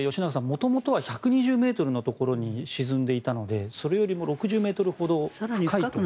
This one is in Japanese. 元々は１２０ｍのところに沈んでいたのでそれよりも６０ｍほど深く。